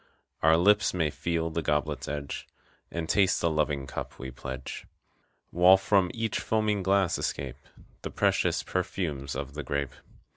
Our lips may feel the goblet's edge And taste the loving cup we pledge. While from each foaming glass escape The precious perfumes of the grape.